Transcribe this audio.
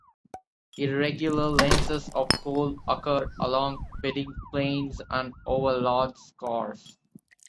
Irregular lenses of coal occur along bedding planes and over large scours.